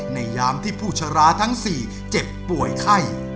ยามที่ผู้ชราทั้ง๔เจ็บป่วยไข้